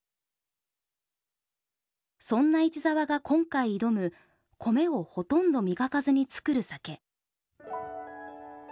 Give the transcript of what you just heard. そんな市澤が今回挑む米をほとんど磨かずに造る酒。